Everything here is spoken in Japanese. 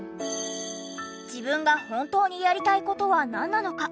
自分が本当にやりたい事はなんなのか？